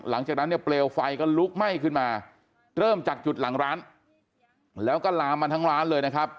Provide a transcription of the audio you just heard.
หลังจากนั้นเนี่ยเปลวไฟก็ลุกไหม้ขึ้นมาเริ่มจากจุดหลังร้านแล้วก็ลามมาทั้งร้านเลยนะครับ